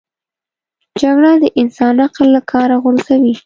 جګړه د انسان عقل له کاره غورځوي